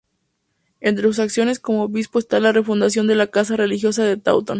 Entre sus acciones como obispo está la refundación de la casa religiosa de Taunton.